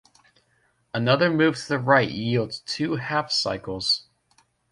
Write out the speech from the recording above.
Another move to the right yields two half-cycles.